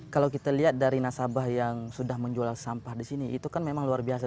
kalau kita lihat dari nasabah yang sudah menjual sampah di sini itu kan memang luar biasa